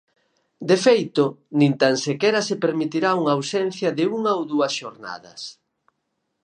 De feito, nin tan sequera se permitirá unha ausencia de unha ou dúas xornadas.